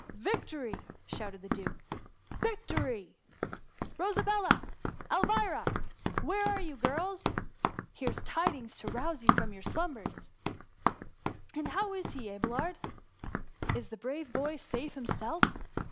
^" Victory ! shouted the duke, •* Victory !— Bosabella ! Elvira ! where are you, girls ? Here's tidings to rouse you from your slumbers. — And how is he, Abelard ? Is the brave boy safe himself?